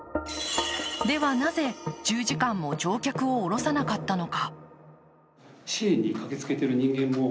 では、なぜ１０時間も乗客を降ろさなかったのか。